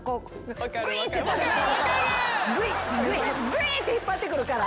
ぐいーって引っ張ってくるから。